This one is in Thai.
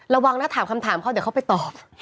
ระวังนะถามคำถามเขาเดี๋ยวเขาไปตอบ